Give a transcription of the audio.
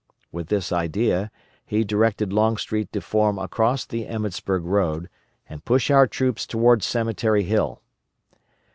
With this idea, he directed Longstreet to form across the Emmetsburg road, and push our troops toward Cemetery Hill.